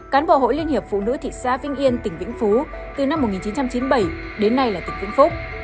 cán bộ hội liên hiệp phụ nữ thị xã vĩnh yên tỉnh vĩnh phú từ năm một nghìn chín trăm chín mươi bảy đến nay là tỉnh vĩnh phúc